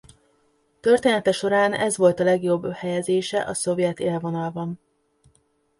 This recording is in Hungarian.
Története során ez volt a legjobb helyezése a szovjet élvonalban.